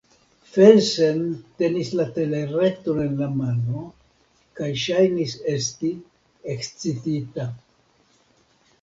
Felsen tenis la telereton en la mano kaj ŝajnis esti ekscitita.